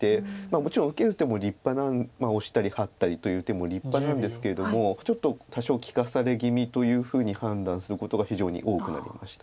もちろん受ける手も立派オシたりハッたりという手も立派なんですけれどもちょっと多少利かされ気味というふうに判断することが非常に多くなりました。